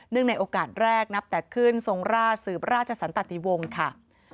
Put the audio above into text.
เนื่องในโอกาสแรกนับตั้งแต่ขึ้นทรงราชสืบราชภรรยศติวงทรก